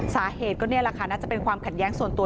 สาเหตุก็นี่แหละค่ะน่าจะเป็นความขัดแย้งส่วนตัว